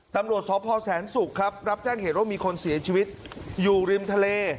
ตำรวจสพแสนศุกร์ครับรับแจ้งเหตุว่ามีคนเสียชีวิตอยู่ริมทะเล